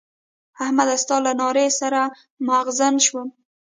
احمده! ستا له نارو سر مغزن شوم.